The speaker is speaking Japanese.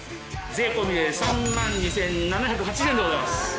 税込みで３万２７８０円でございます。